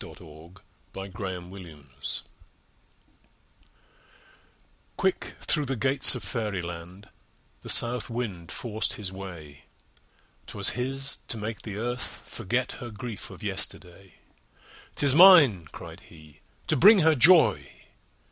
OUT OF DOORS Early Spring Quick through the gates of Fairyland The South Wind forced his way. 'Twas his to make the Earth forget Her grief of yesterday. "'Tis mine," cried he, "to bring her joy!"